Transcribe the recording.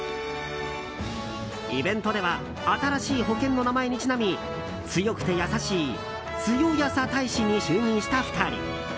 イベントでは新しい保険の名前にちなみ強くてやさしいつよやさ大使に就任した２人。